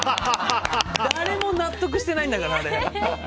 誰も納得してないんだからあれ。